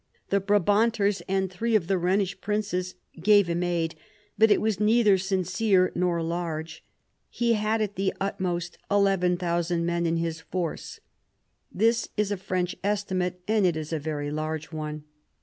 The Brabanters and three of the Ehenish princes gave him aid, but it was neither sincere nor large. He had at the utmost 11,000 men in his force. This is a French estimate, and it is a very large one.